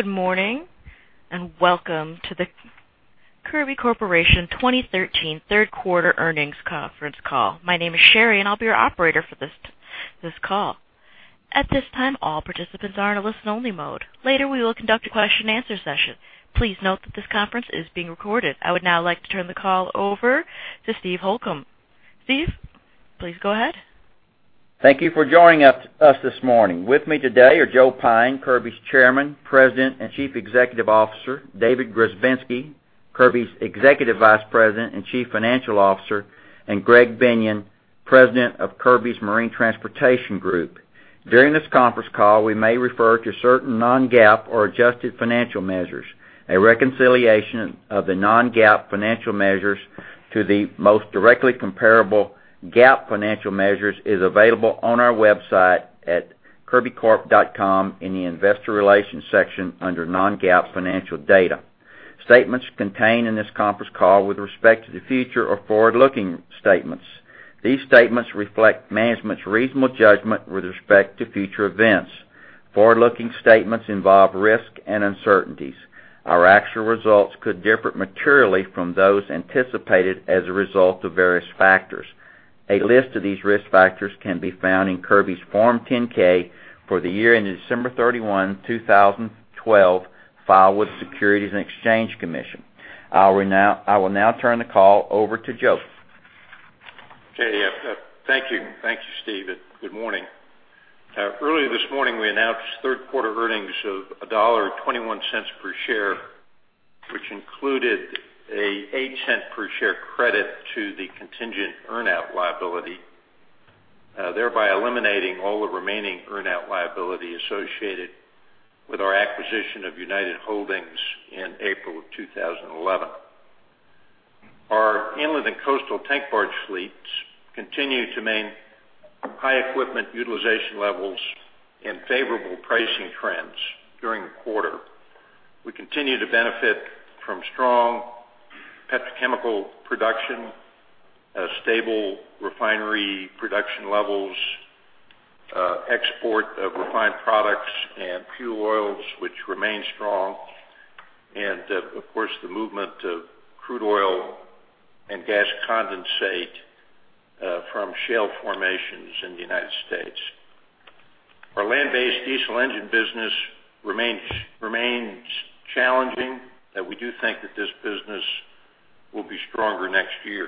Good morning, and welcome to the Kirby Corporation 2013 third quarter earnings conference call. My name is Sherry, and I'll be your operator for this call. At this time, all participants are in a listen-only mode. Later, we will conduct a Q&A session. Please note that this conference is being recorded. I would now like to turn the call over to Steve Holcomb. Steve, please go ahead. Thank you for joining us this morning. With me today are Joe Pyne, Kirby's Chairman, President, and Chief Executive Officer; David Grzebinski, Kirby's Executive Vice President and Chief Financial Officer; and Greg Binion, President of Kirby's Marine Transportation Group. During this conference call, we may refer to certain non-GAAP or adjusted financial measures. A reconciliation of the non-GAAP financial measures to the most directly comparable GAAP financial measures is available on our website at kirbycorp.com in the Investor Relations section under Non-GAAP Financial Data. Statements contained in this conference call with respect to the future are forward-looking statements. These statements reflect management's reasonable judgment with respect to future events. Forward-looking statements involve risks and uncertainties. Our actual results could differ materially from those anticipated as a result of various factors. A list of these risk factors can be found in Kirby's Form 10-K for the year ended December 31, 2012, filed with the Securities and Exchange Commission. I will now turn the call over to Joe. Okay, thank you. Thank you, Steve, and good morning. Earlier this morning, we announced third-quarter earnings of $1.21 per share, which included an $0.8per share credit to the contingent earn-out liability, thereby eliminating all the remaining earn-out liability associated with our acquisition of United Holdings in April of 2011. Our inland and coastal tank barge fleets continued to maintain high equipment utilization levels and favorable pricing trends during the quarter. We continue to benefit from strong petrochemical production, stable refinery production levels, export of refined products and fuel oils, which remain strong, and, of course, the movement of crude oil and gas condensate, from shale formations in the United States. Our land-based diesel engine business remains challenging, but we do think that this business will be stronger next year.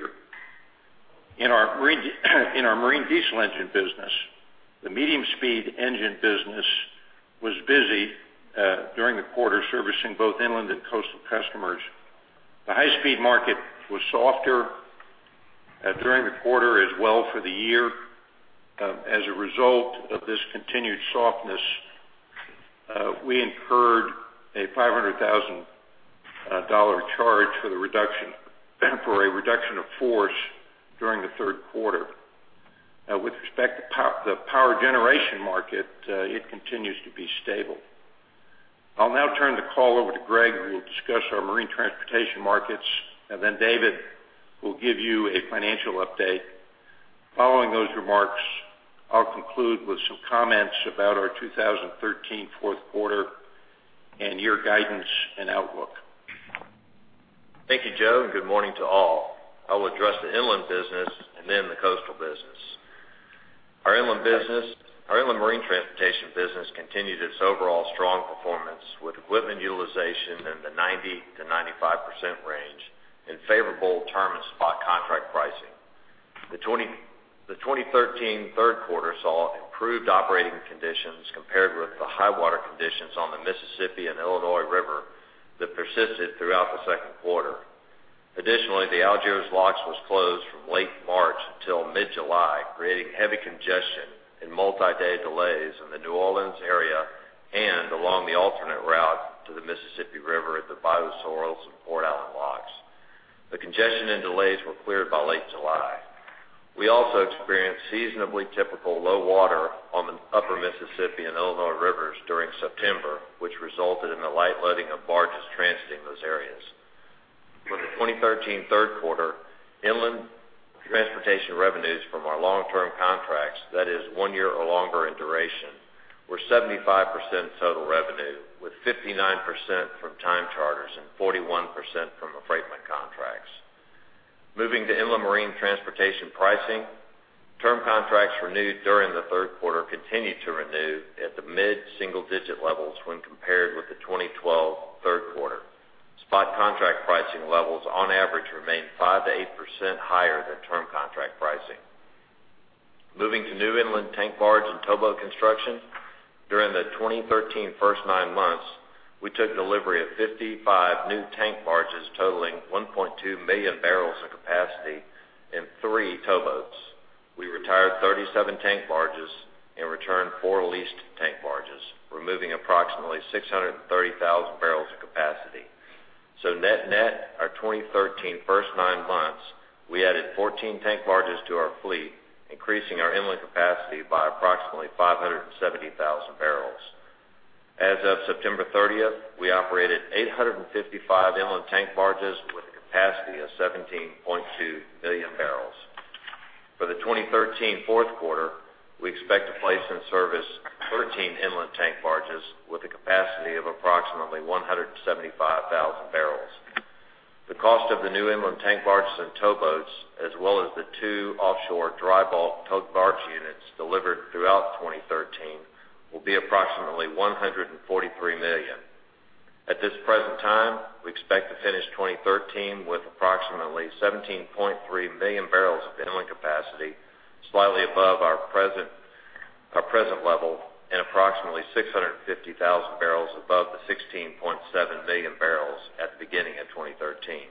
In our marine diesel engine business, the medium-speed engine business was busy during the quarter, servicing both inland and coastal customers. The high-speed market was softer during the quarter, as well for the year. As a result of this continued softness, we incurred a $500,000 charge for a reduction of force during the third quarter. With respect to the power generation market, it continues to be stable. I'll now turn the call over to Greg, who will discuss our marine transportation markets, and then David will give you a financial update. Following those remarks, I'll conclude with some comments about our 2013 fourth quarter and year guidance and outlook. Thank you, Joe, and good morning to all. I will address the inland business and then the coastal business. Our inland business. Our inland marine transportation business continued its overall strong performance, with equipment utilization in the 90%-95% range and favorable term and spot contract pricing. The 2013 third quarter saw improved operating conditions compared with the high water conditions on the Mississippi and Illinois River that persisted throughout the second quarter. Additionally, the Algiers Lock was closed from late March until mid-July, creating heavy congestion and multi-day delays in the New Orleans area and along the alternate route to the Mississippi River at the Bayou Sorrel and Port Allen Locks. The congestion and delays were cleared by late July. We also experienced seasonably typical low water on the upper Mississippi and Illinois rivers during September, which resulted in the light loading of barges transiting those areas. For the 2013 third quarter, inland transportation revenues from our long-term contracts, that is one year or longer in duration, were 75% total revenue, with 59% from time charters and 41% from affreightment contracts. Moving to inland marine transportation pricing, term contracts renewed during the third quarter continued to renew at the mid-single digit levels when compared with the 2012 third quarter. Spot contract pricing levels, on average, remained 5%-8% higher than term contract pricing. Moving to new inland tank barge and towboat construction, during the 2013 first nine months, we took delivery of 55 new tank barges, totaling 1.2 million barrels in capacity and 3 towboats. We retired 37 tank barges and returned 4 leased tank barges, removing approximately 630,000 barrels of capacity. So net, net, our 2013 first nine months, we added 14 tank barges to our fleet, increasing our inland capacity by approximately 570,000 barrels. As of September 30th, we operated 855 inland tank barges with a capacity of 17.2 million barrels. For the 2013 fourth quarter, we expect to place in service 13 inland tank barges with a capacity of approximately 175,000 barrels. The cost of the new inland tank barges and towboats, as well as the 2 offshore dry bulk towed barge units delivered throughout 2013, will be approximately $143 million. At this present time, we expect to finish 2013 with approximately 17.3 million barrels of inland capacity, slightly above our present level, and approximately 650,000 barrels above the 16.7 million barrels at the beginning of 2013.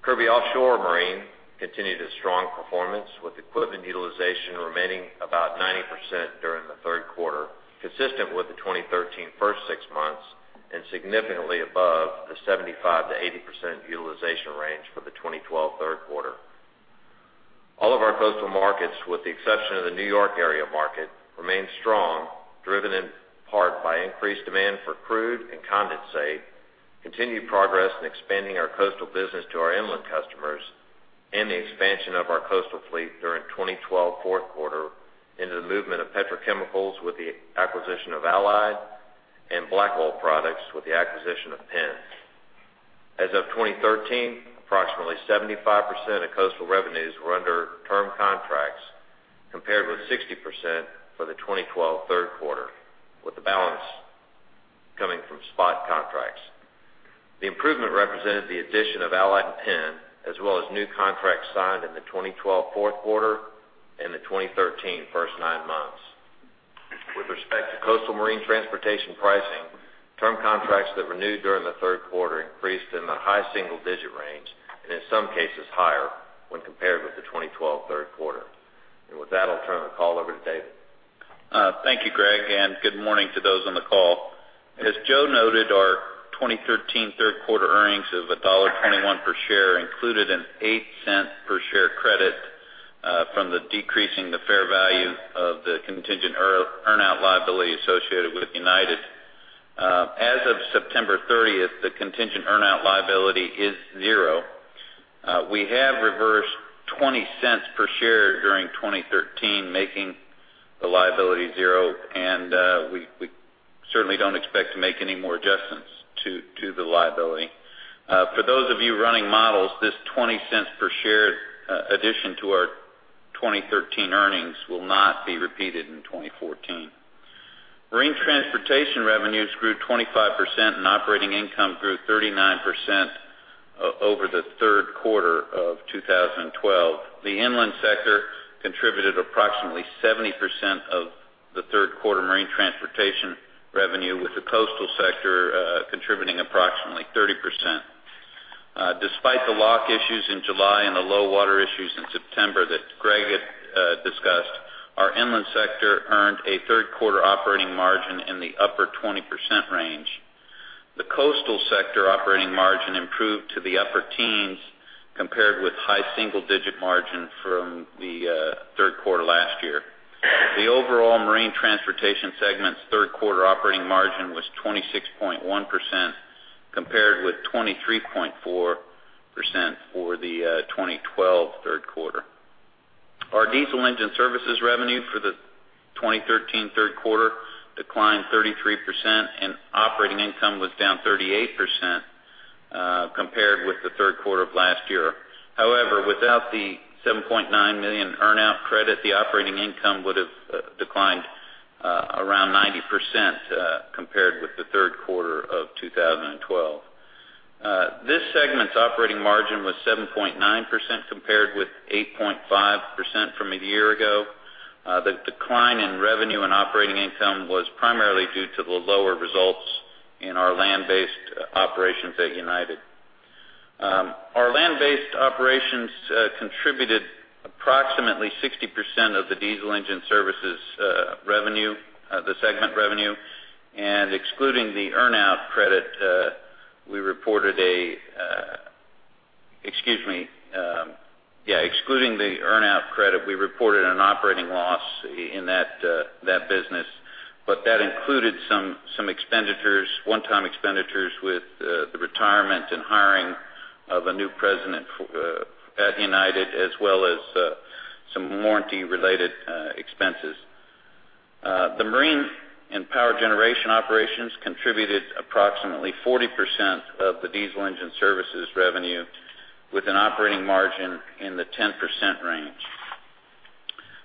Kirby Offshore Marine continued its strong performance, with equipment utilization remaining about 90% during the third quarter, consistent with the 2013 first six months, and significantly above the 75%-80% utilization range for the 2012 third quarter. All of our coastal markets, with the exception of the New York area market, remained strong, driven in part by increased demand for crude and condensate, continued progress in expanding our coastal business to our inland customers, and the expansion of our coastal fleet during 2012 fourth quarter into the movement of petrochemicals with the acquisition of Allied and black oil products with the acquisition of Penn. As of 2013, approximately 75% of coastal revenues were under term contracts, compared with 60% for the 2012 third quarter, with the balance coming from spot contracts. The improvement represented the addition of Allied and Penn, as well as new contracts signed in the 2012 fourth quarter and the 2013 first nine months. With respect to coastal marine transportation pricing, term contracts that renewed during the third quarter increased in the high single digit range, and in some cases higher when compared with the 2012 third quarter. With that, I'll turn the call over to David. Thank you, Greg, and good morning to those on the call. As Joe noted, our 2013 third quarter earnings of $1.21 per share included an $0.08 per share credit from decreasing the fair value of the contingent earn-out liability associated with United. As of September 30th, the contingent earn-out liability is zero. We have reversed $0.20 per share during 2013, making the liability zero, and we certainly don't expect to make any more adjustments to the liability. For those of you running models, this $0.20 per share addition to our 2013 earnings will not be repeated in 2014. Marine transportation revenues grew 25%, and operating income grew 39% over the third quarter of 2012. The inland sector contributed approximately 70% of the third quarter marine transportation revenue, with the coastal sector contributing approximately 30%. Despite the lock issues in July and the low water issues in September that Greg had discussed, our inland sector earned a third quarter operating margin in the upper 20% range. The coastal sector operating margin improved to the upper teens, compared with high single digit margin from the third quarter last year. The overall marine transportation segment's third quarter operating margin was 26.1%, compared with 23.4% for the 2012 third quarter. Our diesel engine services revenue for the 2013 third quarter declined 33%, and operating income was down 38%, compared with the third quarter of last year. However, without the $7.9 million earn-out credit, the operating income would've declined around 90%, compared with the third quarter of 2012. This segment's operating margin was 7.9%, compared with 8.5% from a year ago. The decline in revenue and operating income was primarily due to the lower results in our land-based operations at United. Our land-based operations contributed approximately 60% of the diesel engine services revenue, the segment revenue, and excluding the earn-out credit, we reported a... Excuse me, yeah, excluding the earn-out credit, we reported an operating loss in that business, but that included some, some expenditures, one-time expenditures, with the, the retirement and hiring of a new president for at United, as well as some warranty-related expenses. The marine and power generation operations contributed approximately 40% of the diesel engine services revenue, with an operating margin in the 10% range.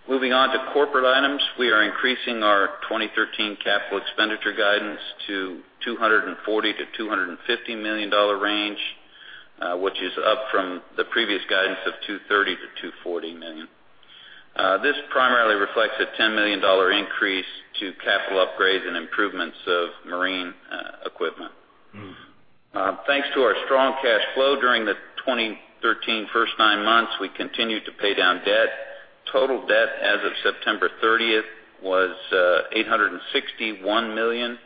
Moving on to corporate items, we are increasing our 2013 capital expenditure guidance to $240 million-$250 million range, which is up from the previous guidance of $230 million-$240 million. This primarily reflects a $10 million increase to capital upgrades and improvements of marine equipment. Thanks to our strong cash flow during the 2013 first nine months, we continued to pay down debt. Total debt as of September 30th was $861 million.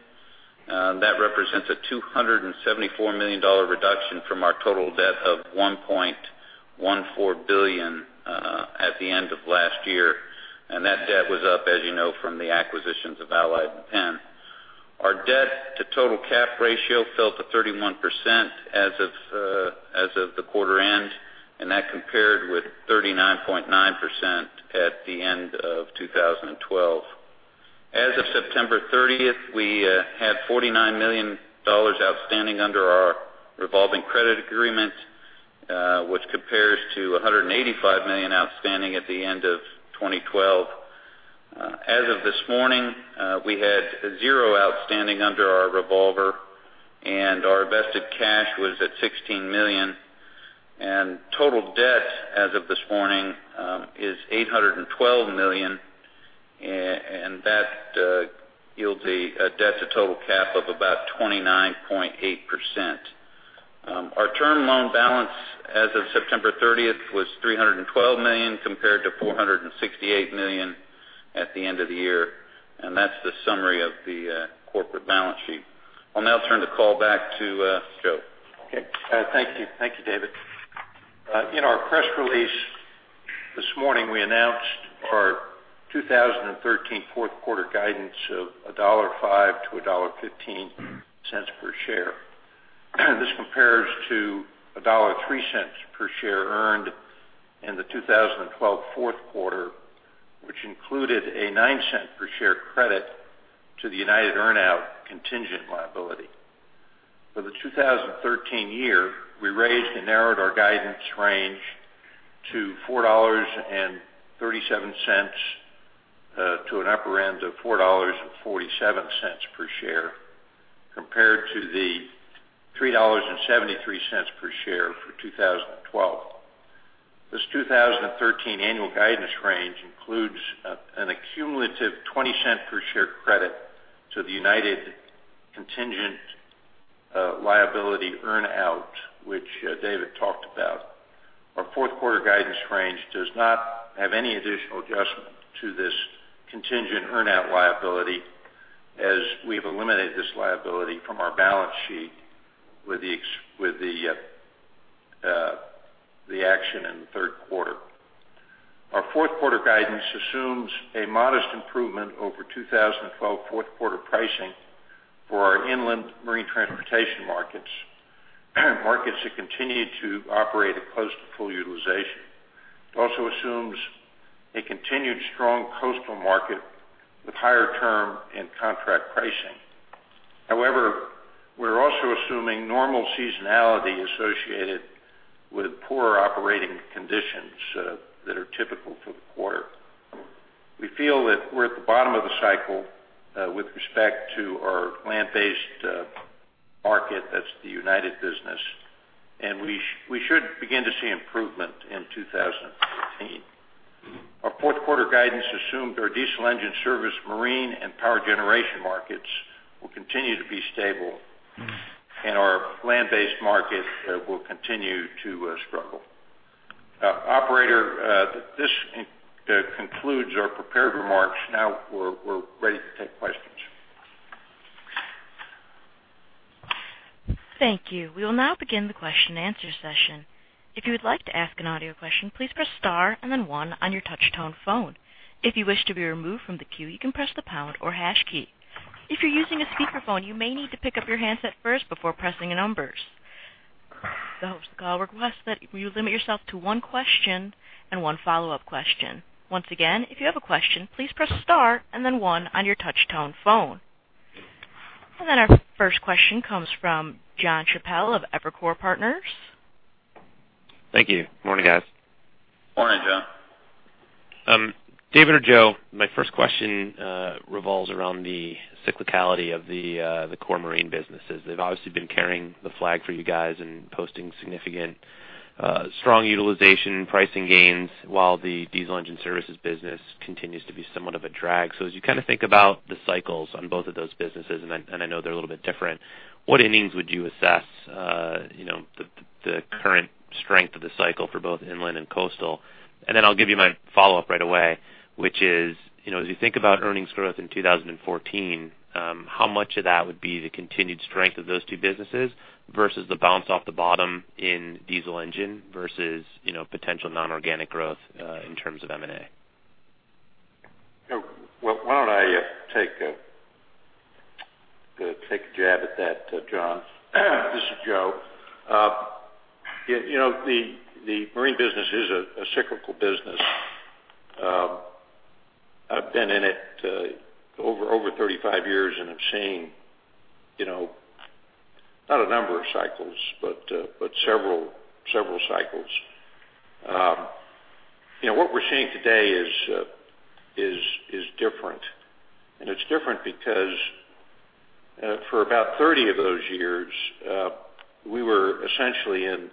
That represents a $274 million reduction from our total debt of $1.14 billion at the end of last year. And that debt was up, as you know, from the acquisitions of Allied and Penn. Our debt to total cap ratio fell to 31% as of, as of the quarter end, and that compared with 39.9% at the end of 2012. As of September 30th, we had $49 million outstanding under our revolving credit agreement, which compares to $185 million outstanding at the end of 2012. As of this morning, we had 0 outstanding under our revolver, and our invested cash was at $16 million, and total debt as of this morning is $812 million. And that yields a debt to total cap of about 29.8%. Our term loan balance as of September 30th was $312 million, compared to $468 million at the end of the year, and that's the summary of the corporate balance sheet. I'll now turn the call back to Joe. Okay, thank you. Thank you, David. In our press release this morning, we announced our 2013 fourth quarter guidance of $1.05-$1.15 per share. This compares to $1.03 per share earned in the 2012 fourth quarter, which included a $0.9 per share credit to the United earn-out contingent liability. For the 2013 year, we raised and narrowed our guidance range to $4.37 to an upper end of $4.47 per share, compared to the $3.73 per share for 2012. This 2013 annual guidance range includes an accumulative $0.20 per share credit to the United contingent liability earn-out, which David talked about. Our fourth quarter guidance range does not have any additional adjustment to this contingent earn-out liability, as we've eliminated this liability from our balance sheet with the action in the third quarter. Our fourth quarter guidance assumes a modest improvement over 2012 fourth quarter pricing for our inland marine transportation markets, markets that continue to operate at close to full utilization. It also assumes a continued strong coastal market with higher term and contract pricing. However, we're also assuming normal seasonality associated with poorer operating conditions that are typical for the quarter. We feel that we're at the bottom of the cycle with respect to our land-based market, that's the United business, and we should begin to see improvement in 2015. Our fourth quarter guidance assumed our diesel engine service, marine, and power generation markets will continue to be stable, and our land-based market will continue to struggle. Operator, this concludes our prepared remarks. Now we're ready to take questions. Thank you. We will now begin the Q&A session. If you would like to ask an audio question, please press star and then one on your touch tone phone. If you wish to be removed from the queue, you can press the pound or hash key. If you're using a speakerphone, you may need to pick up your handset first before pressing the numbers. The host of the call requests that you limit yourself to one question and one follow-up question. Once again, if you have a question, please press star and then one on your touch tone phone. Then our first question comes from John Chappell of Evercore Partners. Thank you. Morning, guys. Morning, John. David or Joe, my first question revolves around the cyclicality of the core marine businesses. They've obviously been carrying the flag for you guys and posting significant strong utilization pricing gains, while the diesel engine services business continues to be somewhat of a drag. So as you kind of think about the cycles on both of those businesses, and I know they're a little bit different, what innings would you assess, you know, the current strength of the cycle for both inland and coastal? Then I'll give you my follow-up right away, which is: you know, as you think about earnings growth in 2014, how much of that would be the continued strength of those two businesses versus the bounce off the bottom in diesel engine versus, you know, potential non-organic growth, in terms of M&A? Well, why don't I take a jab at that, John? This is Joe. You know, the marine business is a cyclical business. I've been in it over 35 years, and I've seen, you know, not a number of cycles, but several cycles. You know, what we're seeing today is different, and it's different because for about 30 of those years, we were essentially in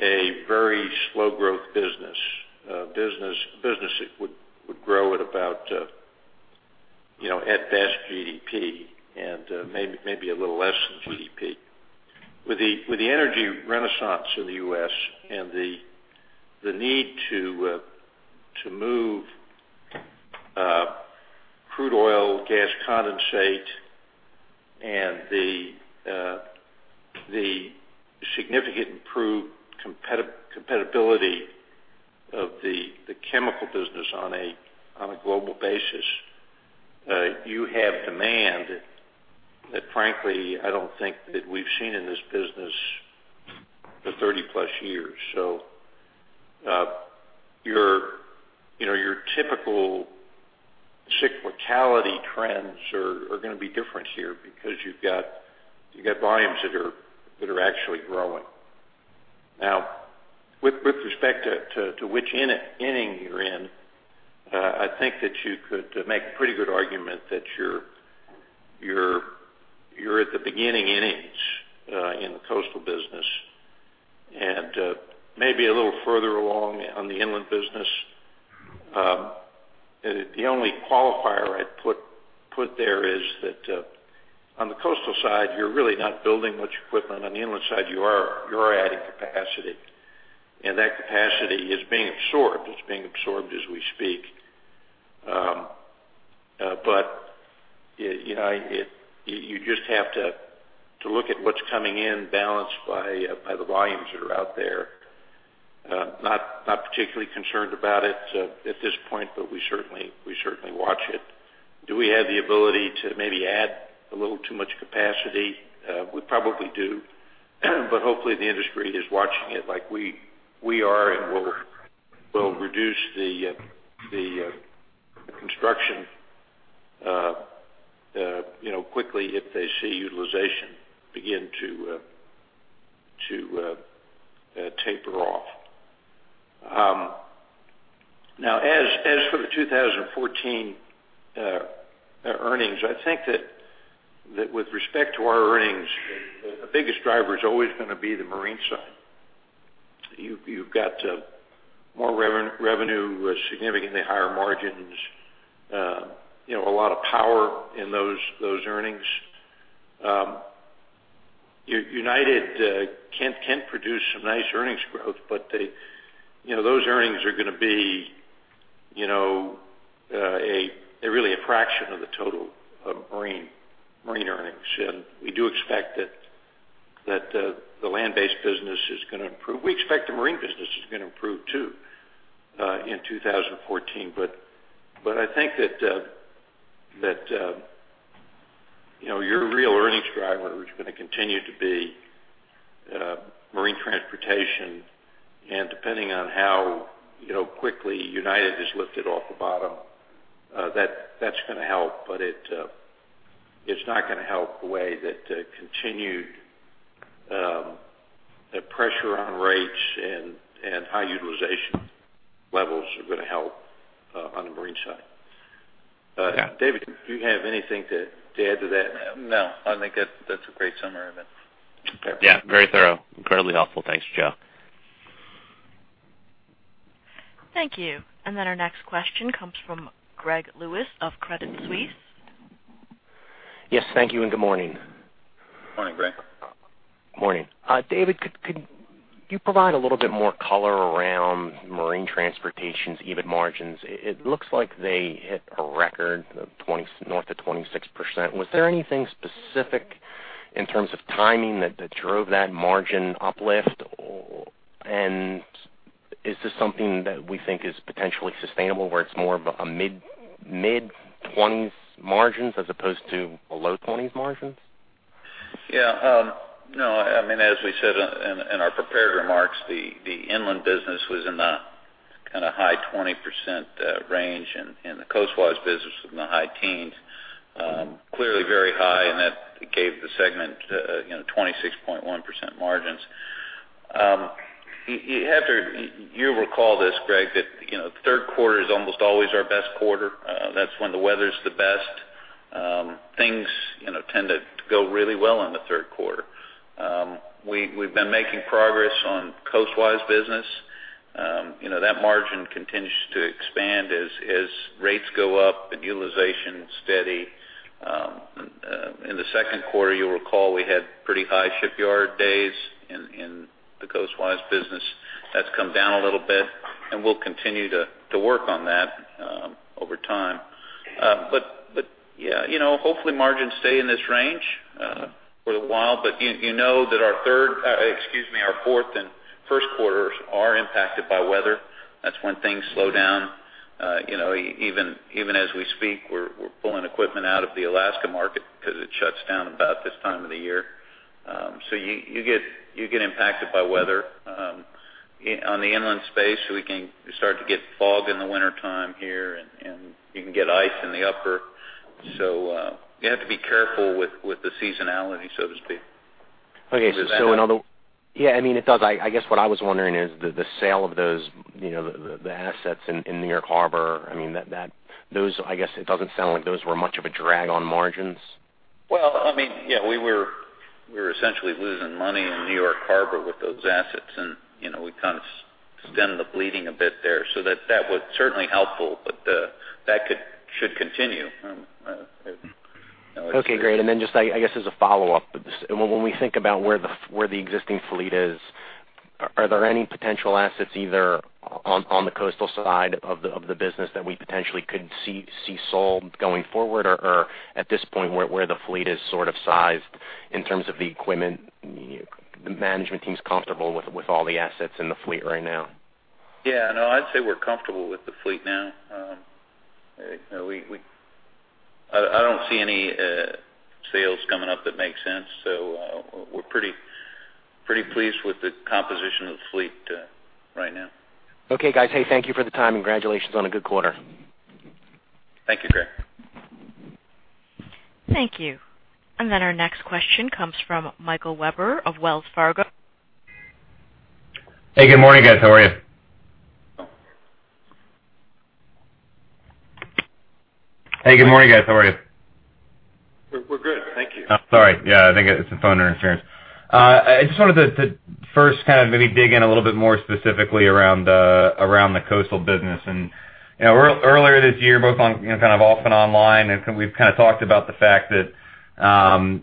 a very slow growth business. Business would grow at about, you know, at best, GDP, and maybe a little less than GDP. With the energy renaissance in the U.S. and the need to move crude oil, gas condensate, and the... The significantly improved competitiveness of the chemical business on a global basis, you have demand that frankly, I don't think that we've seen in this business for 30+ years. So, your, you know, your typical cyclicality trends are gonna be different here because you've got volumes that are actually growing. Now, with respect to which inning you're in, I think that you could make a pretty good argument that you're at the beginning innings in the coastal business, and maybe a little further along on the inland business. The only qualifier I'd put there is that, on the coastal side, you're really not building much equipment. On the inland side, you are adding capacity, and that capacity is being absorbed. It's being absorbed as we speak. But you know, you just have to look at what's coming in, balanced by the volumes that are out there. Not particularly concerned about it at this point, but we certainly watch it. Do we have the ability to maybe add a little too much capacity? We probably do, but hopefully, the industry is watching it like we are, and will reduce the construction quickly if they see utilization begin to taper off. Now, as for the 2014 earnings, I think that with respect to our earnings, the biggest driver is always gonna be the marine side. You've got more revenue with significantly higher margins, you know, a lot of power in those earnings. United can produce some nice earnings growth, but they... You know, those earnings are gonna be, you know, really a fraction of the total of marine earnings. We do expect that the land-based business is gonna improve. We expect the marine business is gonna improve too, in 2014. But I think that, you know, your real earnings driver is gonna continue to be marine transportation. And depending on how, you know, quickly United is lifted off the bottom, that's gonna help, but it's not gonna help the way that continued pressure on rates and high utilization levels are gonna help on the marine side. David, do you have anything to add to that? No, I think that's a great summary of it. Okay. Yeah, very thorough. Incredibly helpful. Thanks, Joe. Thank you. And then our next question comes from Greg Lewis of Credit Suisse. Yes, thank you, and good morning. Morning, Greg. Morning. David, could you provide a little bit more color around marine transportation's EBITDA margins? It looks like they hit a record north of 26%. Was there anything specific in terms of timing that drove that margin uplift? Or and is this something that we think is potentially sustainable, where it's more of a mid-20s margins as opposed to a low 20s margins? Yeah, no, I mean, as we said in our prepared remarks, the inland business was in the kind of high 20% range, and the coastwise business was in the high teens. Clearly very high, and that gave the segment you know, 26.1% margins. You have to recall this, Greg, that you know, the third quarter is almost always our best quarter. That's when the weather's the best. Things, you know, tend to go really well in the third quarter. We’ve been making progress on coastwise business. You know, that margin continues to expand as rates go up and utilization steady. In the second quarter, you'll recall we had pretty high shipyard days in the coastwise business. That's come down a little bit, and we'll continue to work on that over time. But yeah, you know, hopefully margins stay in this range for a while, but you know that our third, excuse me, our fourth and first quarters are impacted by weather. That's when things slow down. You know, even as we speak, we're pulling equipment out of the Alaska market because it shuts down about this time of the year. So you get impacted by weather. On the inland space, we can start to get fog in the wintertime here, and you can get ice in the upper. So you have to be careful with the seasonality, so to speak. Okay. Does that- Yeah, I mean, it does. I guess what I was wondering is the sale of those, you know, the assets in New York Harbor, I mean, that those, I guess it doesn't sound like those were much of a drag on margins? Well, I mean, yeah, we were essentially losing money in New York Harbor with those assets, and, you know, we kind of stemmed the bleeding a bit there. So that was certainly helpful, but that should continue, you know- Okay, great. And then just I guess, as a follow-up to this, when we think about where the existing fleet is. Are there any potential assets either on the coastal side of the business that we potentially could see sold going forward? Or at this point, where the fleet is sort of sized in terms of the equipment, the management team's comfortable with all the assets in the fleet right now? Yeah, no, I'd say we're comfortable with the fleet now. We don't see any sales coming up that make sense, so we're pretty pleased with the composition of the fleet right now. Okay, guys. Hey, thank you for the time. Congratulations on a good quarter. Thank you, Greg. Thank you. And then our next question comes from Michael Webber of Wells Fargo. Hey, good morning, guys. How are you? We're good. Thank you. Oh, sorry. Yeah, I think it's a phone interference. I just wanted to first kind of maybe dig in a little bit more specifically around around the coastal business. And, you know, earlier this year, both on, you know, kind of off and online, and we've kind of talked about the fact that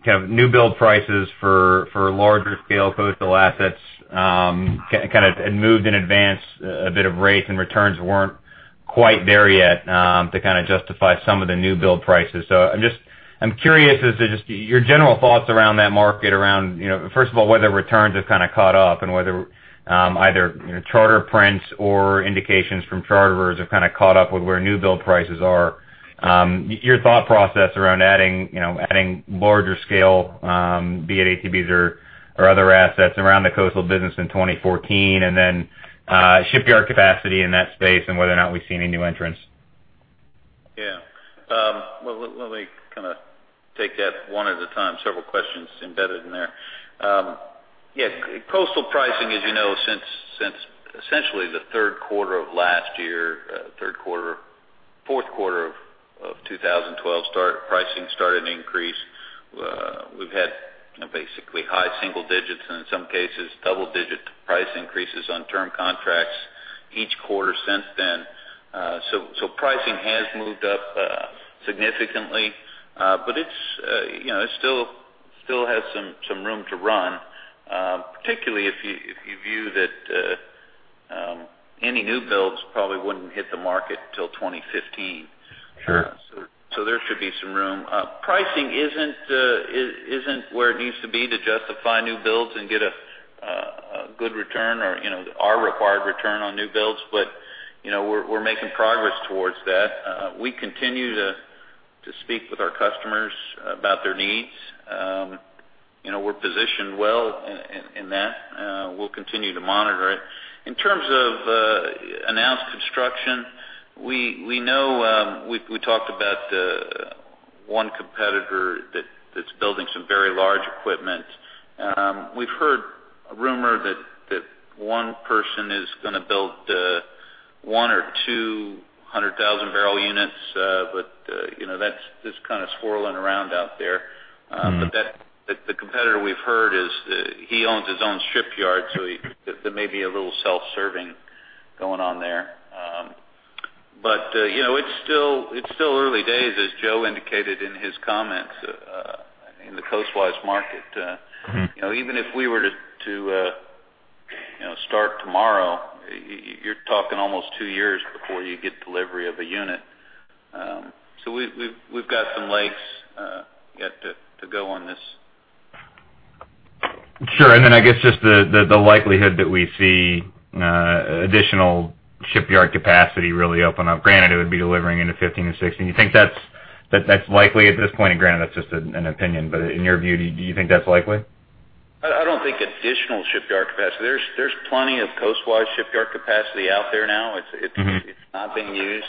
kind of new build prices for larger scale coastal assets kind of had moved in advance a bit of rates and returns weren't quite there yet to kind of justify some of the new build prices. So I'm just. I'm curious as to just your general thoughts around that market, around, you know, first of all, whether returns have kind of caught up and whether either, you know, charter prints or indications from charterers have kind of caught up with where new build prices are. Your thought process around adding, you know, adding larger scale, be it ATBs or other assets around the coastal business in 2014, and then shipyard capacity in that space and whether or not we see any new entrants? Yeah. Well, let me kind of take that one at a time. Several questions embedded in there. Yeah, coastal pricing, as you know, since, since essentially the third quarter of last year, third quarter, fourth quarter of 2012, pricing started to increase. We've had basically high single digits and in some cases, double-digit price increases on term contracts each quarter since then. So, so pricing has moved up, significantly, but it's, you know, it still, still has some, some room to run, particularly if you, if you view that, any new builds probably wouldn't hit the market till 2015. Sure. So there should be some room. Pricing isn't where it needs to be to justify new builds and get a good return or, you know, our required return on new builds. But, you know, we're making progress towards that. We continue to speak with our customers about their needs. You know, we're positioned well in that, we'll continue to monitor it. In terms of announced construction, we know we talked about one competitor that's building some very large equipment. We've heard a rumor that one person is gonna build 100,000 or 200,000 barrel units, but, you know, that's kind of swirling around out there. Mm-hmm. But that the competitor we've heard is, he owns his own shipyard, so there may be a little self-serving going on there. But you know, it's still, it's still early days, as Joe indicated in his comments, in the coastwise market. Mm-hmm. You know, even if we were to start tomorrow, you know, you're talking almost 2 years before you get delivery of a unit. So we've got some lakes yet to go on this. Sure. And then I guess just the likelihood that we see additional shipyard capacity really open up, granted it would be delivering into 2015 and 2016. You think that's likely at this point? And granted, that's just an opinion, but in your view, do you think that's likely? I don't think additional shipyard capacity. There's plenty of coastwide shipyard capacity out there now. Mm-hmm. It's not being used.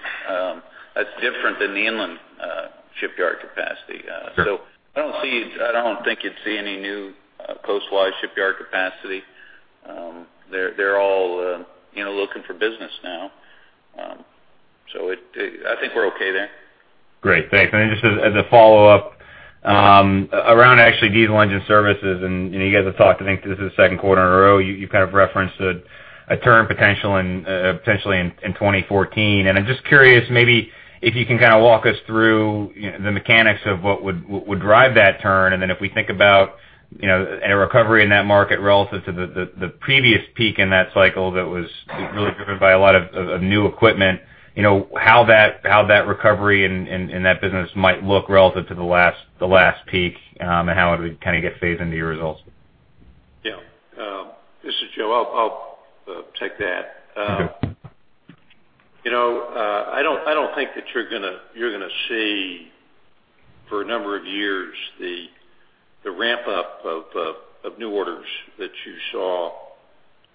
That's different than the inland shipyard capacity. Sure. So I don't see—I don't think you'd see any new coastwide shipyard capacity. They're all, you know, looking for business now. So I think we're okay there. Great, thanks. And just as a follow-up around actually diesel engine services, and you know, you guys have talked, I think this is the second quarter in a row, you kind of referenced a turn potential in potentially in 2014. And I'm just curious, maybe if you can kind of walk us through the mechanics of what would drive that turn. And then if we think about, you know, a recovery in that market relative to the previous peak in that cycle that was really driven by a lot of new equipment, you know, how that recovery in that business might look relative to the last peak, and how it would kind of get phased into your results? Yeah. This is Joe. I'll take that. Okay. You know, I don't think that you're gonna see, for a number of years, the ramp-up of new orders that you saw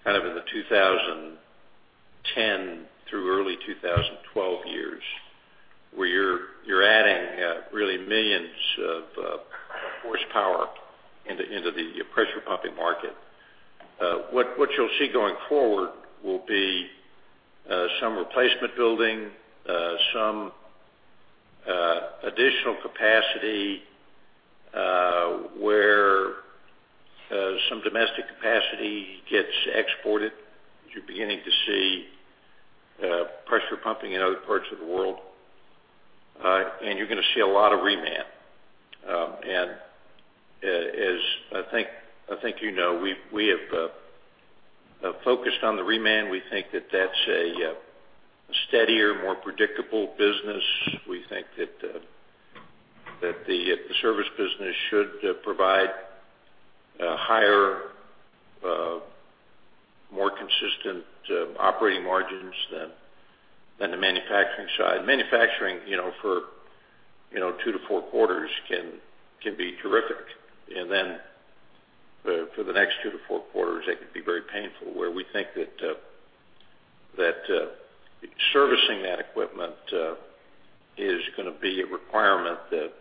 kind of in the 2010 through early 2012 years, where you're adding really millions of horsepower into the pressure pumping market. What you'll see going forward will be some replacement building, some additional capacity, where some domestic capacity gets exported. You're beginning to see pressure pumping in other parts of the world... and you're gonna see a lot of reman. And, as I think you know, we have focused on the reman. We think that that's a steadier, more predictable business. We think that the service business should provide a higher, more consistent operating margins than the manufacturing side. Manufacturing, you know, for 2-4 quarters can be terrific, and then for the next 2-4 quarters, they can be very painful, where we think that servicing that equipment is gonna be a requirement that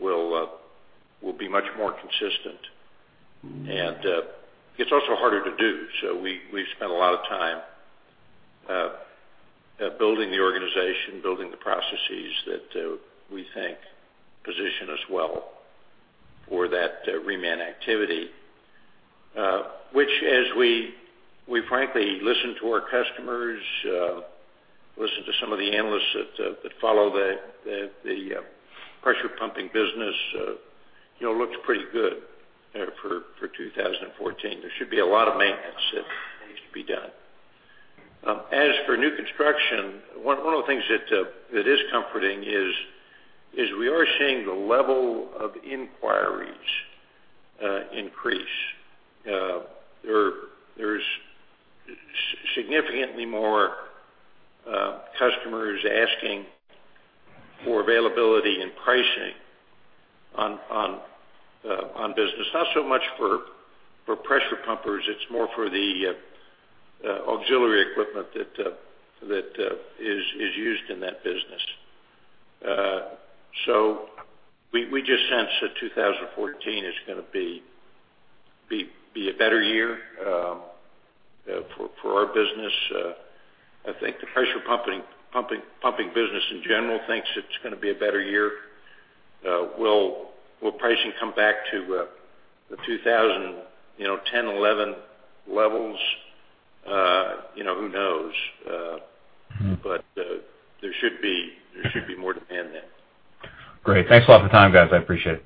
will be much more consistent. And it's also harder to do, so we've spent a lot of time building the organization, building the processes that we think position us well for that reman activity. Which, as we frankly listen to our customers, listen to some of the analysts that follow the pressure pumping business, you know, looks pretty good for 2014. There should be a lot of maintenance that needs to be done. As for new construction, one of the things that is comforting is we are seeing the level of inquiries increase. There's significantly more customers asking for availability and pricing on business. Not so much for pressure pumpers, it's more for the auxiliary equipment that is used in that business. So we just sense that 2014 is gonna be a better year for our business. I think the pressure pumping business in general thinks it's gonna be a better year. Will pricing come back to the 2010, 2011 levels? You know, who knows? Mm-hmm. But, there should be, there should be more demand than. Great. Thanks a lot for the time, guys. I appreciate it.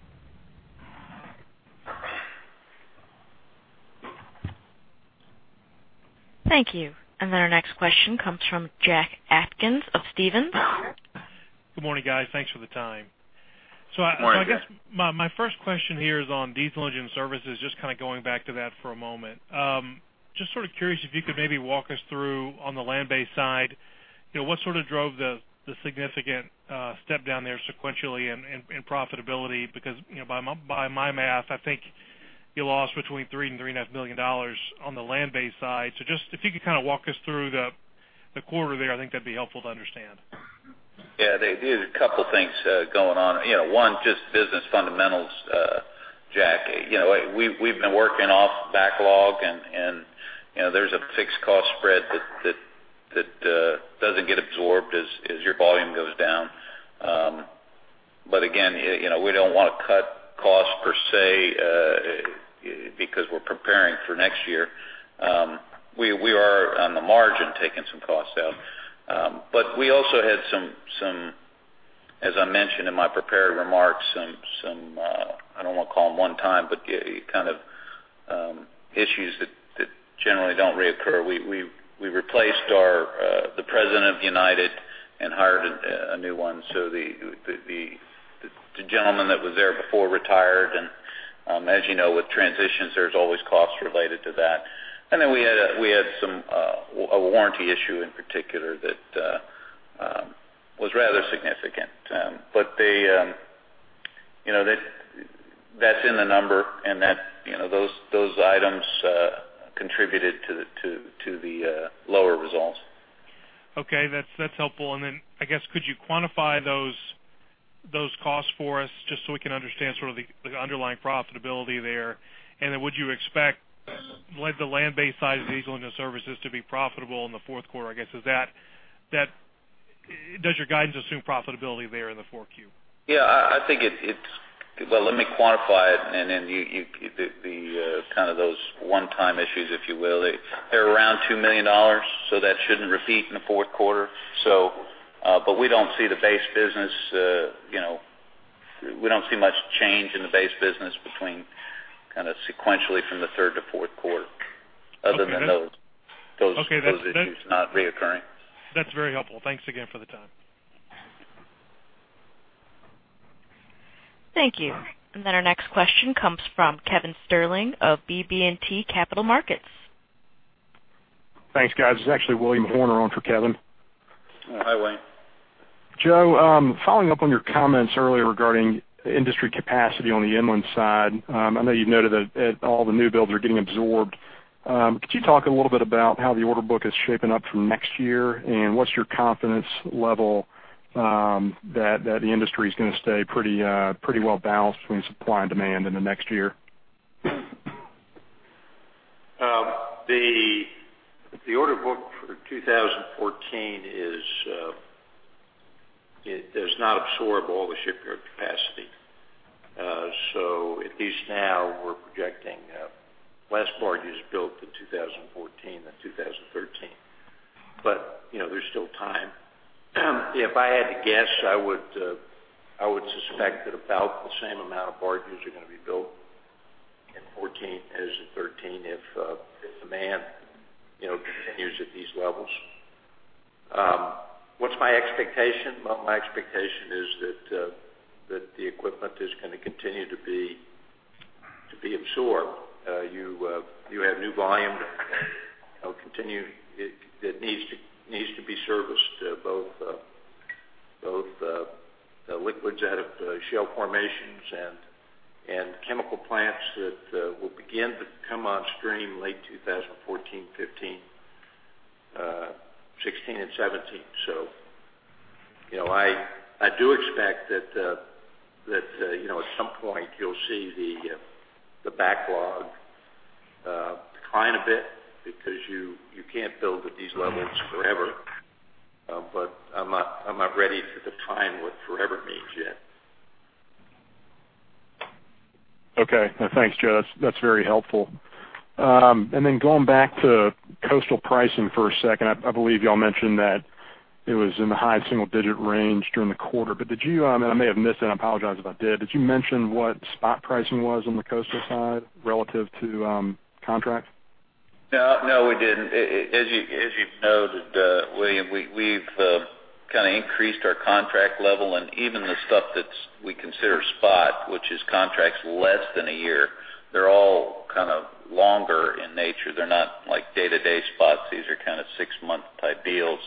Thank you. And then our next question comes from Jack Atkins of Stephens. Good morning, guys. Thanks for the time. Good morning, Jack. So I guess my first question here is on diesel engine services, just kind of going back to that for a moment. Just sort of curious if you could maybe walk us through on the land-based side, you know, what sort of drove the significant step down there sequentially and profitability? Because, you know, by my math, I think you lost between $3 million-$3.5 million on the land-based side. So just if you could kind of walk us through the quarter there, I think that'd be helpful to understand. Yeah, there, there's a couple things going on. You know, one, just business fundamentals, Jack. You know, we've been working off backlog and, you know, there's a fixed cost spread that doesn't get absorbed as your volume goes down. But again, you know, we don't want to cut costs per se, because we're preparing for next year. We are, on the margin, taking some costs out. But we also had some, as I mentioned in my prepared remarks, some, I don't want to call them one time, but the kind of issues that generally don't reoccur. We replaced our the president of United and hired a new one, so the gentleman that was there before retired. And, as you know, with transitions, there's always costs related to that. And then we had a warranty issue in particular that was rather significant. But, you know, that's in the number and, you know, those items contributed to the lower results. Okay, that's helpful. And then, I guess, could you quantify those costs for us just so we can understand sort of the underlying profitability there? And then, would you expect, like, the land-based side of the diesel engine services to be profitable in the fourth quarter? I guess, is that... Does your guidance assume profitability there in the 4Q? Yeah, I think it's. Well, let me quantify it, and then the kind of those one-time issues, if you will, they're around $2 million, so that shouldn't repeat in the fourth quarter. So, but we don't see the base business, you know, we don't see much change in the base business between kind of sequentially from the third to fourth quarter- Okay, good. other than those, Okay, that's- Issues not recurring. That's very helpful. Thanks again for the time. Thank you. And then our next question comes from Kevin Sterling of BB&T Capital Markets. Thanks, guys. This is actually William Horner on for Kevin. Hi, William. Joe, following up on your comments earlier regarding industry capacity on the inland side, I know you've noted that all the new builds are getting absorbed. Could you talk a little bit about how the order book is shaping up for next year? What's your confidence level that the industry is gonna stay pretty, pretty well balanced between supply and demand in the next year? The order book for 2014 is. It does not absorb all the shipyard capacity. So at least now we're projecting less barges built in 2014 than 2013. But, you know, there's still time. If I had to guess, I would suspect that about the same amount of barges are gonna be built in 2014 as in 2013, if demand, you know, continues at these levels. What's my expectation? Well, my expectation is that that the equipment is gonna continue to be absorbed. You have new volume that, you know, continues. It needs to be serviced both the liquids out of the shale formations and chemical plants that will begin to come on stream late 2014, 2015, 2016 and 2017. So, you know, I do expect that, you know, at some point you'll see the backlog decline a bit because you can't build at these levels forever. But I'm not ready to define what forever means yet. Okay. Thanks, Joe. That's very helpful. And then going back to coastal pricing for a second. I believe y'all mentioned that it was in the high single digit range during the quarter, but did you, and I may have missed it, and I apologize if I did, did you mention what spot pricing was on the coastal side relative to contract? No, no, we didn't. As you, as you've noted, William, we, we've kind of increased our contract level, and even the stuff that's we consider spot, which is contracts less than a year, they're all kind of longer in nature. They're not like day-to-day spots. These are kind of six-month type deals.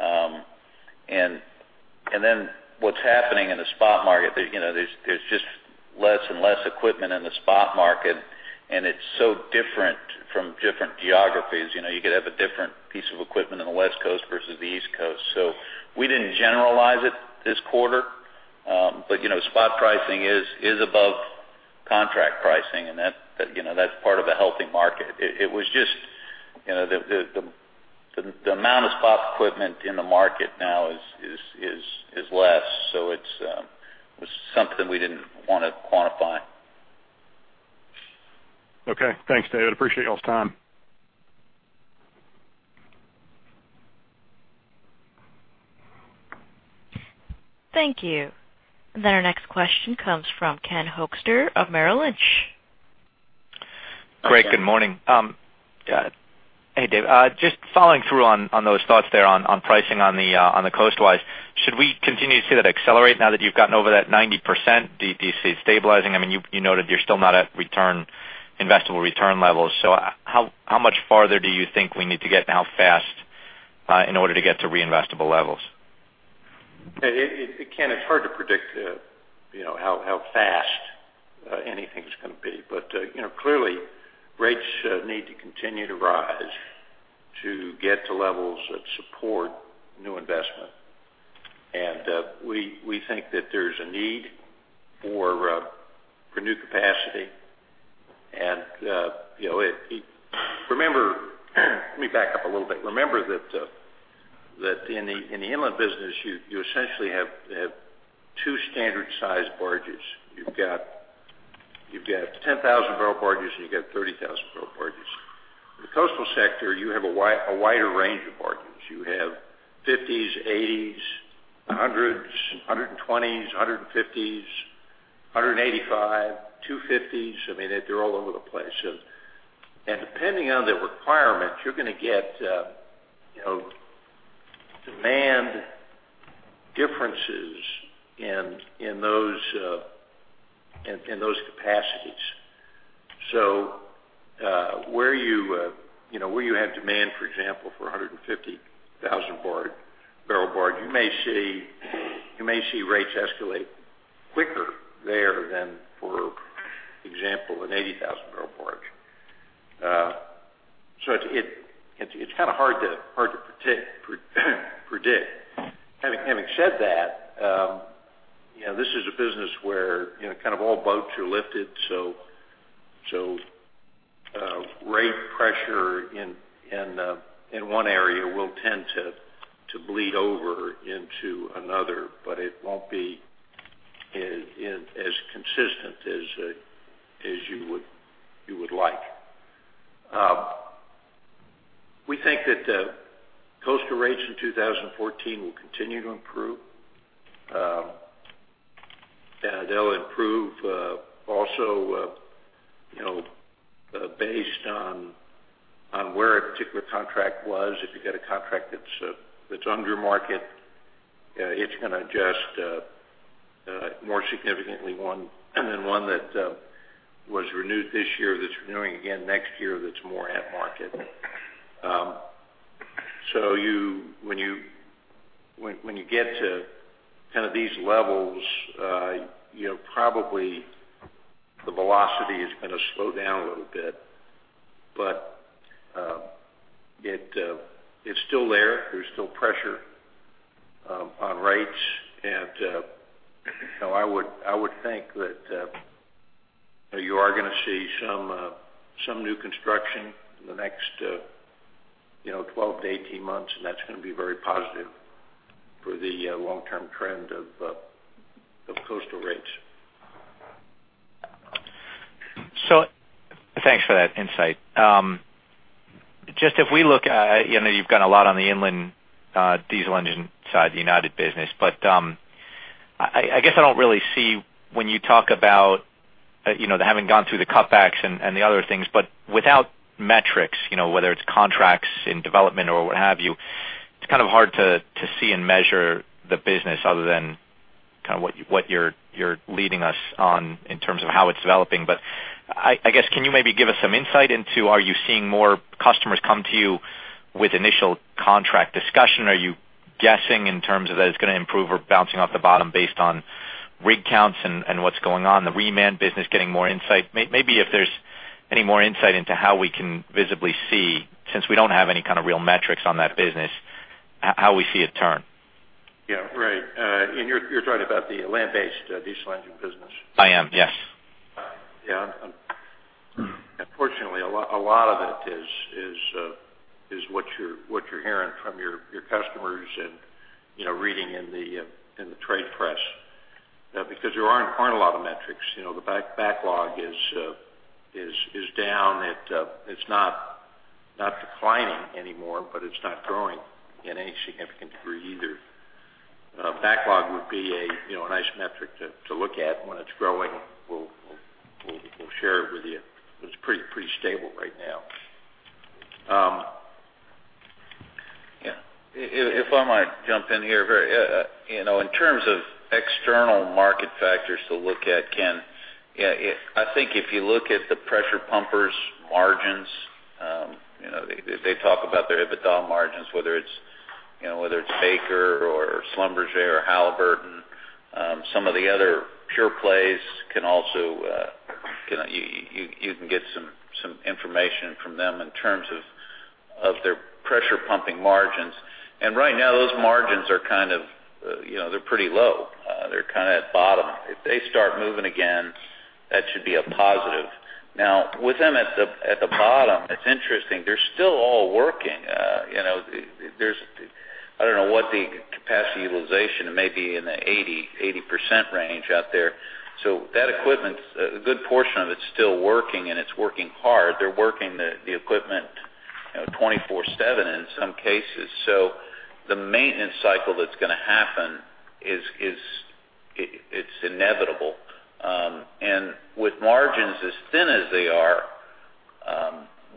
And then what's happening in the spot market, you know, there's just less and less equipment in the spot market, and it's so different from different geographies. You know, you could have a different piece of equipment on the West Coast versus the East Coast. So we didn't generalize it this quarter. But, you know, spot pricing is above contract pricing, and that, you know, that's part of a healthy market. It was just, you know, the amount of spot equipment in the market now is less, so it was something we didn't wanna quantify. Okay. Thanks, David. Appreciate y'all's time. Thank you. Our next question comes from Ken Hoexter of Merrill Lynch. Great. Good morning. Hey, Dave, just following through on those thoughts there on pricing on the coastwise. Should we continue to see that accelerate now that you've gotten over that 90%? Do you see it stabilizing? I mean, you noted you're still not at reinvestable return levels, so how much farther do you think we need to get and how fast in order to get to reinvestable levels? Ken, it's hard to predict, you know, how fast anything's gonna be. But, you know, clearly, rates need to continue to rise to get to levels that support new investment. And, we think that there's a need for new capacity. And, you know, remember, let me back up a little bit. Remember that in the inland business, you essentially have two standard-sized barges. You've got 10,000-barrel barges, and you've got 30,000-barrel barges. In the coastal sector, you have a wider range of barges. You have 50s, 80s, 100s, 120s, 150s, 185s, 250s. I mean, they're all over the place. So, and depending on the requirement, you're gonna get, you know, demand differences in those capacities. So, where you, you know, where you have demand, for example, for a 150,000-barrel barge, you may see rates escalate quicker there than, for example, an 80,000-barrel barge. So it's kind of hard to predict. Having said that, you know, this is a business where, you know, kind of all boats are lifted, so rate pressure in one area will tend to bleed over into another, but it won't be as consistent as you would like. We think that coastal rates in 2014 will continue to improve. And they'll improve, also, you know, based on where a particular contract was. If you've got a contract that's under market, it's gonna adjust more significantly than one that was renewed this year, that's renewing again next year, that's more at market. So when you get to kind of these levels, you know, probably the velocity is gonna slow down a little bit. But it's still there. There's still pressure on rates, and you know, I would think that you are going to see some new construction in the next, you know, twelve to eighteen months, and that's going to be very positive for the long-term trend of coastal rates. So thanks for that insight. Just if we look at, you know, you've got a lot on the inland, diesel engine side of the United business, but, I guess I don't really see when you talk about, you know, having gone through the cutbacks and the other things, but without metrics, you know, whether it's contracts in development or what have you, it's kind of hard to see and measure the business other than kind of what you're leading us on in terms of how it's developing. But I guess, can you maybe give us some insight into, are you seeing more customers come to you with initial contract discussion? Are you guessing in terms of that it's going to improve or bouncing off the bottom based on rig counts and what's going on, the reman business getting more insight? Maybe if there's any more insight into how we can visibly see, since we don't have any kind of real metrics on that business, how we see it turn. Yeah, right. And you're, you're talking about the land-based diesel engine business? I am, yes. Yeah. Unfortunately, a lot of it is what you're hearing from your customers and, you know, reading in the trade press, because there aren't a lot of metrics. You know, the backlog is down. It's not declining anymore, but it's not growing in any significant degree either. Backlog would be a nice metric to look at. When it's growing, we'll share it with you. It's pretty stable right now. Yeah. If, if, if I might jump in here very, you know, in terms of external market factors to look at, Ken, yeah, I think if you look at the pressure pumpers' margins, you know, they, they talk about their EBITDA margins, whether it's, you know, whether it's Baker or Schlumberger or Halliburton. Some of the other pure plays can also, you can get some information from them in terms of, of their pressure pumping margins. And right now, those margins are kind of, you know, they're pretty low. They're kind of at bottom. If they start moving again, that should be a positive. Now, with them at the, at the bottom, it's interesting. They're still all working. You know, I don't know what the capacity utilization may be in the 80% range out there. So that equipment, a good portion of it's still working, and it's working hard. They're working the equipment, you know, 24/7 in some cases. So the maintenance cycle that's going to happen is inevitable. And with margins as thin as they are,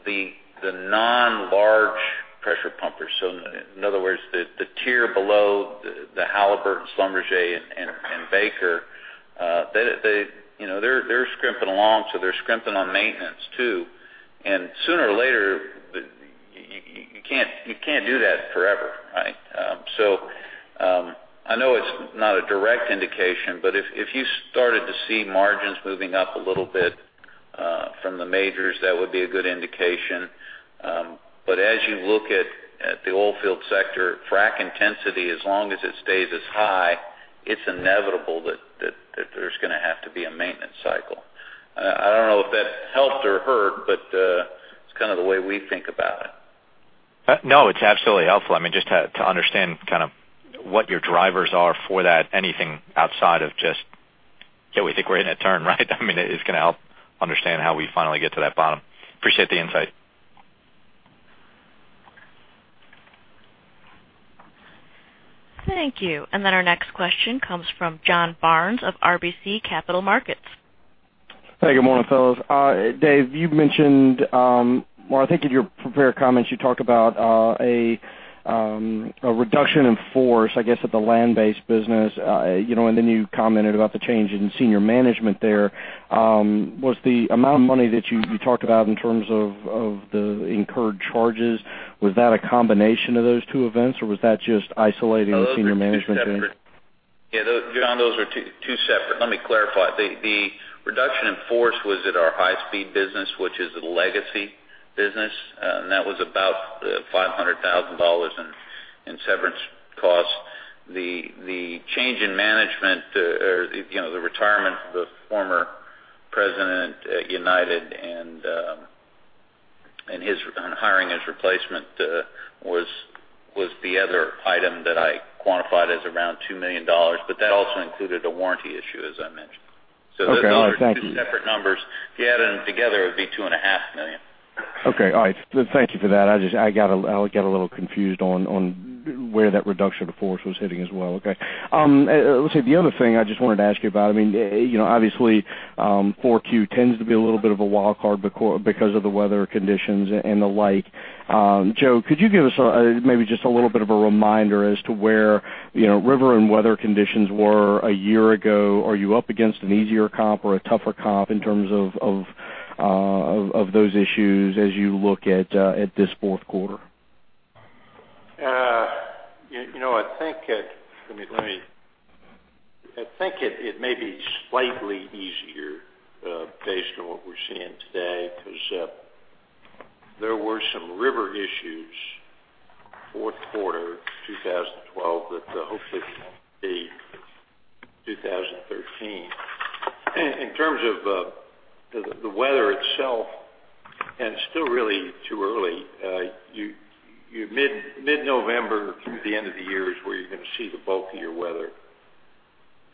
the non-large pressure pumpers, so in other words, the tier below the Halliburton, Schlumberger, and Baker, you know, they're scrimping along, so they're scrimping on maintenance, too. And sooner or later, you can't do that forever, right? So I know it's not a direct indication, but if you started to see margins moving up a little bit from the majors, that would be a good indication. As you look at the oil field sector, frack intensity, as long as it stays as high, it's inevitable that there's going to have to be a maintenance cycle. I don't know if that helped or hurt, but it's kind of the way we think about it. No, it's absolutely helpful. I mean, just to understand kind of what your drivers are for that, anything outside of just, yeah, we think we're in a turn, right? I mean, it's going to help understand how we finally get to that bottom. Appreciate the insight. Thank you. And then our next question comes from John Barnes of RBC Capital Markets. Hey, good morning, fellas. Dave, you mentioned, well, I think in your prepared comments, you talked about a reduction in force, I guess, at the land-based business, you know, and then you commented about the change in senior management there. Was the amount of money that you, you talked about in terms of the incurred charges, was that a combination of those two events, or was that just isolating senior management? Yeah, those, John, are two separate. Let me clarify. The reduction in force was at our high-speed business, which is a legacy business, and that was about $500,000 in severance costs. The change in management, or, you know, the retirement of the former president at United and hiring his replacement, was the other item that I quantified as around $2 million, but that also included a warranty issue, as I mentioned. Okay. Thank you. So those are two separate numbers. If you add them together, it would be $2.5 million. Okay. All right. Thank you for that. I just got a little confused on where that reduction to force was hitting as well. Okay. Let's see, the other thing I just wanted to ask you about, I mean, you know, obviously, 4Q tends to be a little bit of a wildcard because of the weather conditions and the like. Joe, could you give us maybe just a little bit of a reminder as to where, you know, river and weather conditions were a year ago? Are you up against an easier comp or a tougher comp in terms of those issues as you look at this fourth quarter? You know, I think, let me, let me... I think it, it may be slightly easier, based on what we're seeing today, because, ...There were some river issues, fourth quarter 2012, that, hopefully, be 2013. In terms of the weather itself, and it's still really too early, you mid-November through the end of the year is where you're gonna see the bulk of your weather.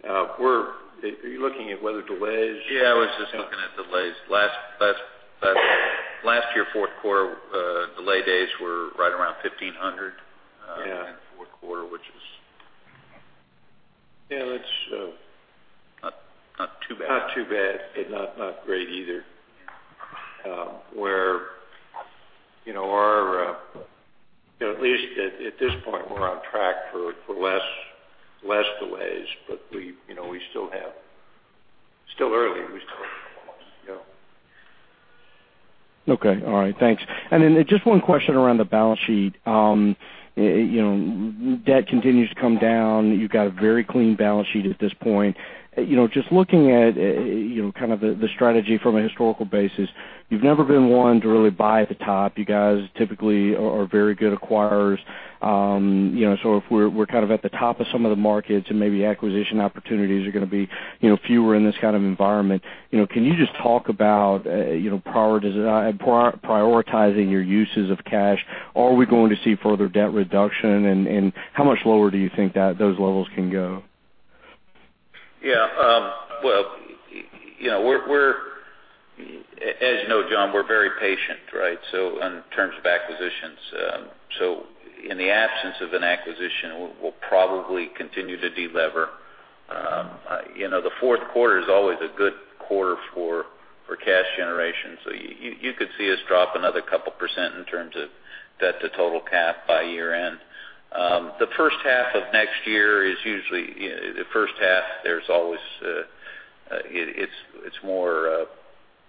Are you looking at weather delays? Yeah, I was just looking at delays. Last year, fourth quarter, delay days were right around 1,500- Yeah. in the fourth quarter, which is. Yeah, it's Not too bad. Not too bad, but not great either. We're, you know, at least at this point, we're on track for less delays, but we, you know, we still have... It's still early. We still have a few months. Yeah. Okay. All right. Thanks. And then just one question around the balance sheet. You know, debt continues to come down. You've got a very clean balance sheet at this point. You know, just looking at, you know, kind of the strategy from a historical basis, you've never been one to really buy at the top. You guys typically are very good acquirers. You know, so if we're kind of at the top of some of the markets and maybe acquisition opportunities are gonna be, you know, fewer in this kind of environment, you know, can you just talk about, you know, prioritizing your uses of cash? Are we going to see further debt reduction? And how much lower do you think that those levels can go? Yeah. Well, you know, we're, as you know, John, we're very patient, right? So in terms of acquisitions, so in the absence of an acquisition, we'll probably continue to delever. You know, the fourth quarter is always a good quarter for cash generation. So you could see us drop another couple percent in terms of debt to total cap by year-end. The first half of next year is usually, you know, the first half, there's always, it's more,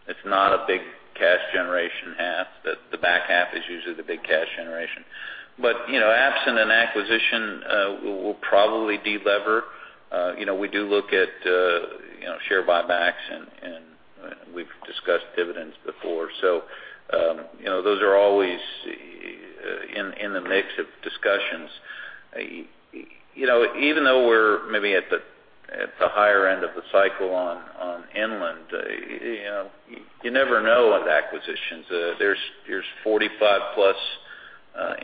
it's not a big cash generation half. The back half is usually the big cash generation. But, you know, absent an acquisition, we'll probably delever. You know, we do look at, you know, share buybacks, and we've discussed dividends before. So, you know, those are always in the mix of discussions. You know, even though we're maybe at the higher end of the cycle on inland, you know, you never know with acquisitions. There's 45+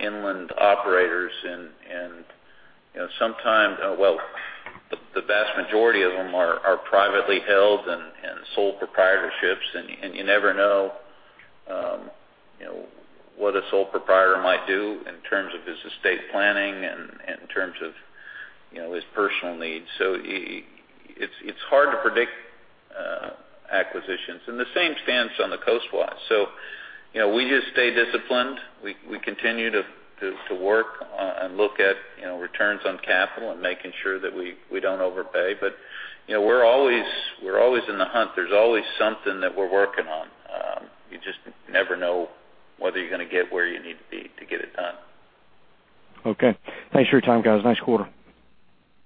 inland operators and, you know, sometimes... Well, the vast majority of them are privately held and sole proprietorships, and you never know, you know, what a sole proprietor might do in terms of his estate planning and in terms of, you know, his personal needs. So it's hard to predict acquisitions, and the same stance on the coast-wide. So, you know, we just stay disciplined. We continue to work and look at, you know, returns on capital and making sure that we don't overpay. But, you know, we're always, we're always in the hunt. There's always something that we're working on. You just never know whether you're gonna get where you need to be to get it done. Okay. Thanks for your time, guys. Nice quarter.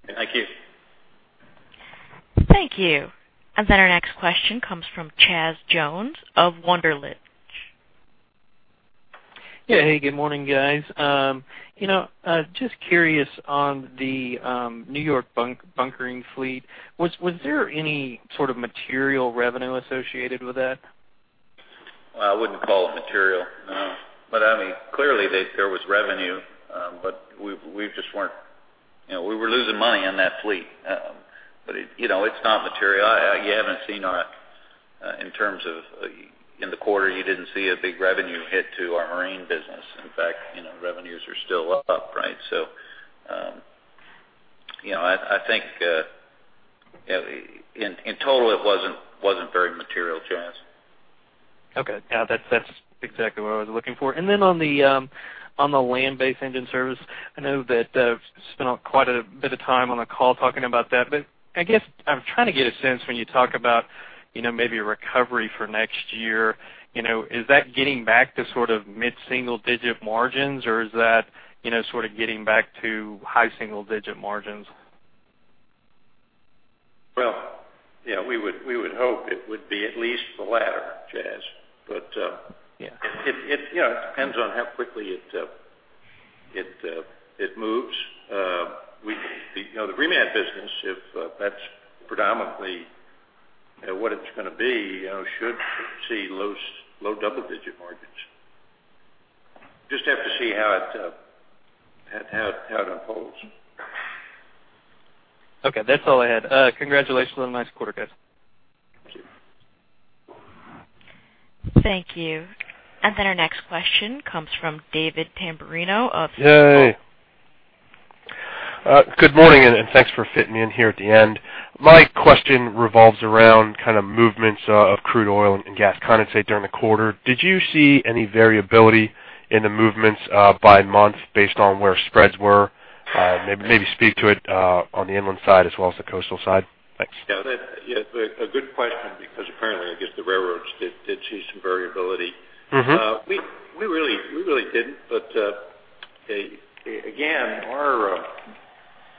Thank you. Thank you. And then our next question comes from Chaz Jones of Wunderlich. Yeah. Hey, good morning, guys. You know, just curious on the New York bunkering fleet, was there any sort of material revenue associated with that? Well, I wouldn't call it material. But I mean, clearly, there was revenue, but we just weren't... You know, we were losing money on that fleet. But you know, it's not material. You haven't seen our, in terms of, in the quarter, you didn't see a big revenue hit to our marine business. In fact, you know, revenues are still up, right? So, you know, I think you know in total it wasn't very material, Chaz. Okay. Yeah, that's exactly what I was looking for. And then on the land-based engine service, I know that you spent quite a bit of time on the call talking about that, but I guess I'm trying to get a sense when you talk about, you know, maybe a recovery for next year, you know, is that getting back to sort of mid-single-digit margins, or is that, you know, sort of getting back to high single digit margins? Well, yeah, we would, we would hope it would be at least the latter, Chaz. Yeah. But, you know, it depends on how quickly it moves. We, you know, the reman business, if that's predominantly what it's gonna be, you know, should see low double-digit margins. Just have to see how it unfolds. Okay. That's all I had. Congratulations on a nice quarter, guys Thank you. And then our next question comes from David Tamburrino of- Yay! Good morning, and thanks for fitting me in here at the end. My question revolves around kind of movements of crude oil and gas condensate during the quarter. Did you see any variability in the movements by month, based on where spreads were? Maybe, maybe speak to it on the inland side as well as the coastal side. Thanks. Yeah, a good question, because apparently, I guess the railroads did see some variability. Mm-hmm. We really didn't. But, again, our-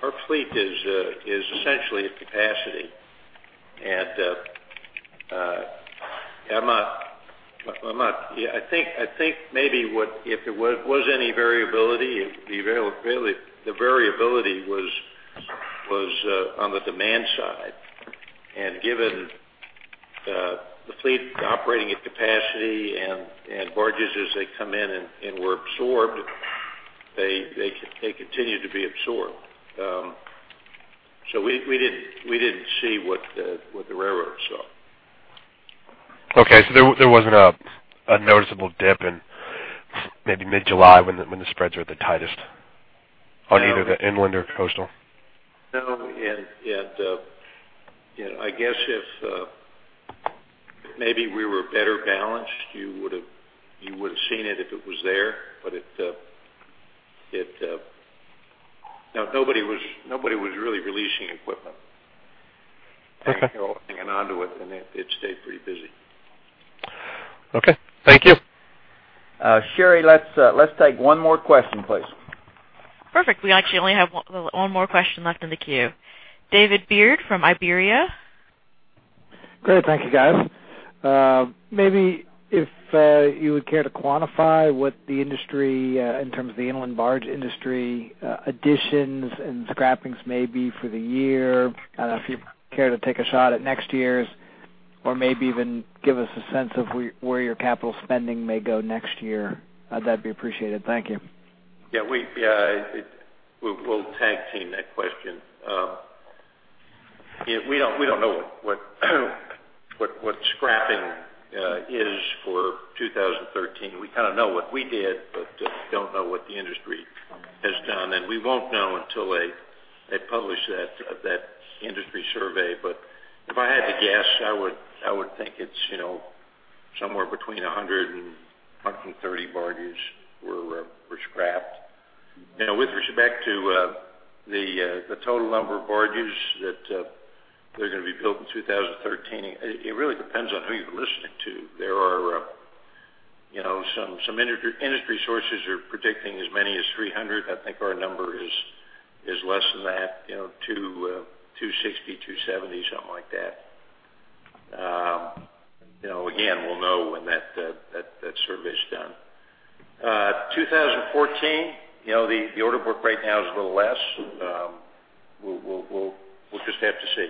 ...Our fleet is essentially at capacity. Yeah, I think maybe what, if there was any variability, the availability, the variability was on the demand side. And given the fleet operating at capacity and barges as they come in and were absorbed, they continued to be absorbed. So we didn't see what the railroad saw. Okay, so there wasn't a noticeable dip in maybe mid-July when the spreads were at the tightest on either the inland or coastal? No. And you know, I guess if maybe we were better balanced, you would've seen it if it was there, but it... Now, nobody was really releasing equipment. Okay. Hanging on to it, and it, it stayed pretty busy. Okay. Thank you. Sherry, let's take one more question, please. Perfect. We actually only have one more question left in the queue. David Beard from Iberia. Great, thank you, guys. Maybe if you would care to quantify what the industry, in terms of the inland barge industry, additions and scrappings may be for the year. I don't know if you'd care to take a shot at next year's, or maybe even give us a sense of where your capital spending may go next year. That'd be appreciated. Thank you. Yeah, we'll tag team that question. Yeah, we don't know what scrapping is for 2013. We kind of know what we did, but don't know what the industry has done, and we won't know until they publish that industry survey. But if I had to guess, I would think it's, you know, somewhere between 100 and 130 barges were scrapped. Now, with respect to the total number of barges that are going to be built in 2013, it really depends on who you're listening to. There are, you know, some industry sources are predicting as many as 300. I think our number is less than that, you know, 260, 270, something like that. You know, again, we'll know when that survey is done. 2014, you know, the order book right now is a little less. We'll just have to see.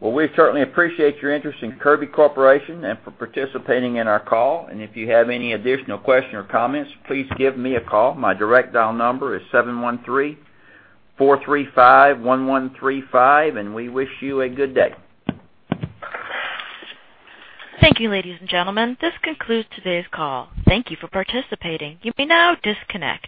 Well, we certainly appreciate your interest in Kirby Corporation and for participating in our call. If you have any additional questions or comments, please give me a call. My direct dial number is 713-435-1135, and we wish you a good day. Thank you, ladies and gentlemen. This concludes today's call. Thank you for participating. You may now disconnect.